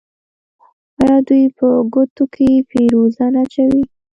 آیا دوی په ګوتو کې فیروزه نه اچوي؟